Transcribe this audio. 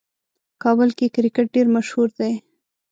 کابل کې کرکټ ډېر مشهور دی.